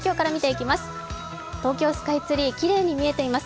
東京スカイツリー、きれいに見えています。